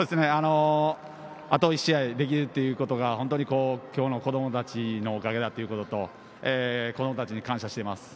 あと１試合できるっていうことが、本当に今日の子供たちのおかげだっていうことと、子供たちに感謝しています。